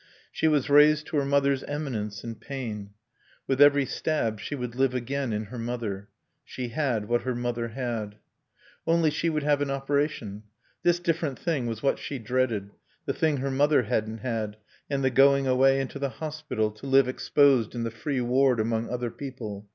She was raised to her mother's eminence in pain. With every stab she would live again in her mother. She had what her mother had. Only she would have an operation. This different thing was what she dreaded, the thing her mother hadn't had, and the going away into the hospital, to live exposed in the free ward among other people.